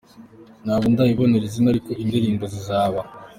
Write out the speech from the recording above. Ntabwo ndayibonera izina ariko indirimbo zizaba.